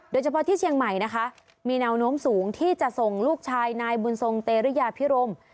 โดยเฉพาะที่เชียงใหม่นะคะมีแนวโน้มสูงที่จะส่งลูกชายนายบุญทรงเตรียพิรม